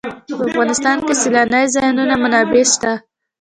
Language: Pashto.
په افغانستان کې د سیلانی ځایونه منابع شته.